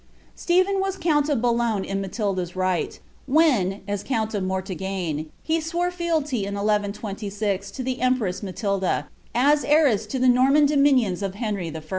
"^ Stephen was count of Boulogne in Matilda's right, when, as count of Mortagne, he swore fisalty in 11 26 to the empress Matilda, as heiress to the Norman dominions of Henry I.